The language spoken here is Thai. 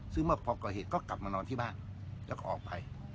ซึ่งเมื่อพอก่อเหตุก็กลับมานอนที่บ้านแล้วก็ออกไป